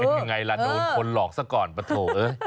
เป็นยังไงละโน้นคนหลอกสักก่อนปะโถ่